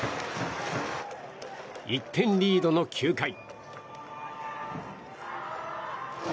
１点リードの９回。